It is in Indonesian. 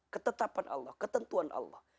ketetapan allah ketentuan allah